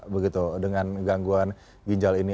begitu dengan gangguan ginjal ini